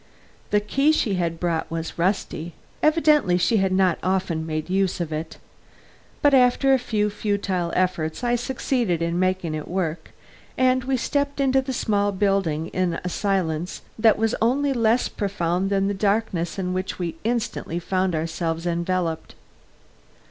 The key she had brought was rusty. Evidently she had not often made use of it. But after a few futile efforts I succeeded in making it work, and we stepped into the small building in a silence that was only less profound than the darkness in which we instantly found ourselves enveloped.